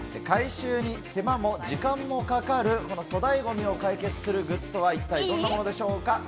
回収に手間も時間もかかる、この粗大ゴミを解決するグッズとは一体どんなものでしょうか？